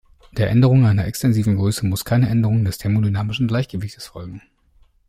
Der Änderung einer extensiven Größe muss "keine" Änderung des thermodynamischen Gleichgewichtes folgen.